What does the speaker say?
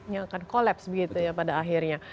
yang akan collapse begitu ya pada akhirnya